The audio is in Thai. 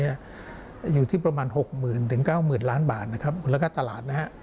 อยู่ที่ประมาณ๖๐๙๐ล้านบาทมูลค่าตลาดนะครับ